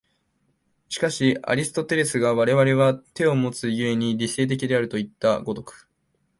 しかしアリストテレスが我々は手をもつ故に理性的であるといった如く